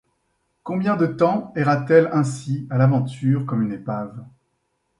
Combien de temps erra-t-elle ainsi, à l’aventure, comme une épave?